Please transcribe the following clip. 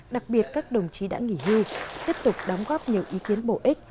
đặc biệt các đồng chí đã nghỉ hưu tiếp tục đóng góp nhiều ý kiến bổ ích